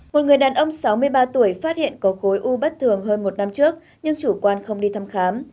một người đàn ông sáu mươi ba tuổi phát hiện có khối u bất thường hơn một năm trước nhưng chủ quan không đi thăm khám